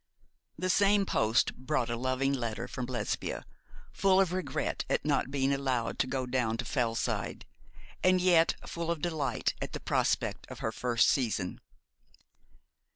The same post brought a loving letter from Lesbia, full of regret at not being allowed to go down to Fellside, and yet full of delight at the prospect of her first season.